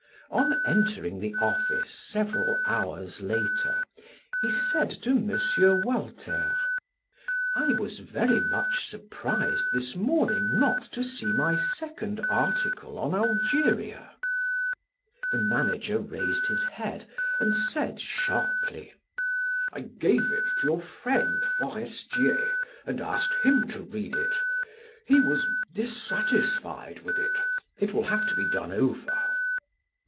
On entering the office several hours later, he said to M. Walter: "I was very much surprised this morning not to see my second article on Algeria." The manager raised his head and said sharply: "I gave it to your friend, Forestier, and asked him to read it; he was dissatisfied with it; it will have to be done over."